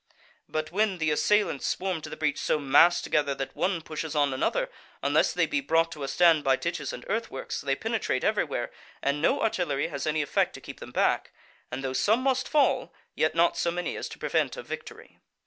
But when the assailants swarm to the breach so massed together that one pushes on another, unless they be brought to a stand by ditches and earthworks, they penetrate everywhere, and no artillery has any effect to keep them back; and though some must fall, yet not so many as to prevent a victory.